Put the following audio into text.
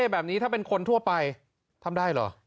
แบบนี้ถ้าเป็นคนทั่วไปทำได้เหรอ